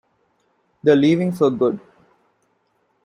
They are leaving for good!